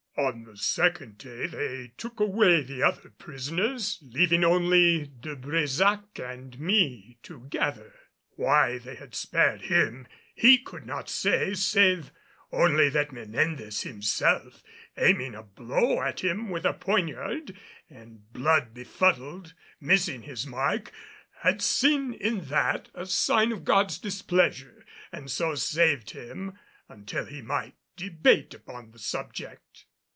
On the second day they took away the other prisoners, leaving only De Brésac and me together. Why they had spared him he could not say, save only that Menendez himself, aiming a blow at him with a poniard and blood befuddled missing his mark, had seen in that a sign of God's displeasure, and so saved him until he might debate upon the subject.